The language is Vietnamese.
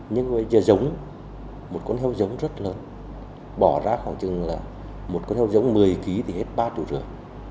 nhưng bây giờ giống một con heo giống rất lớn bỏ ra khoảng chừng là một con heo giống một mươi kg thì hết ba trụ rửa